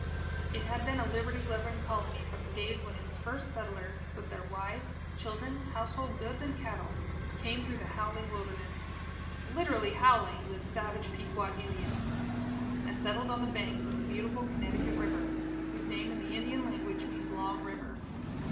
It had been a liberty loving Colony from the days when its first settlers, with their wives, children, household goods, and cattle, came through the howling Wilderness literally howling with savage Pequot Indians and settled on the banks of the beautiful Connecticut River, whose name in the Indian language means Long River.